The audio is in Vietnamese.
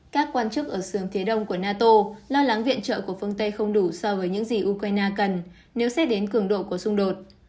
các quan chức ở xướng phía đông của nato lo lắng viện trợ của phương tây không đủ so với những gì ukraine cần nếu xét đến cường độ của xung đột